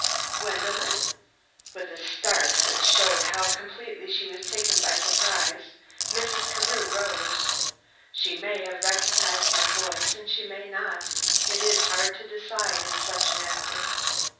Gwendolen! With a start which showed how completely she was taken by surprise, Mrs. Carew rose. She may have recognized my voice and she may not; it is hard to decide in such an actress.